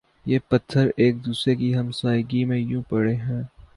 یہ پتھر ایک دوسرے کی ہمسائیگی میں یوں پڑے ہیں